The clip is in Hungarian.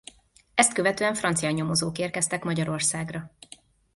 Ezt követően francia nyomozók érkeztek Magyarországra.